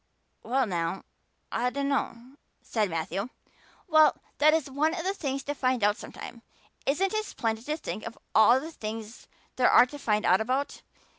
"Well now, I dunno," said Matthew. "Well, that is one of the things to find out sometime. Isn't it splendid to think of all the things there are to find out about?